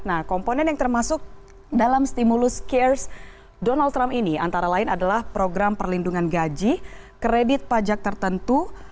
nah komponen yang termasuk dalam stimulus cares donald trump ini antara lain adalah program perlindungan gaji kredit pajak tertentu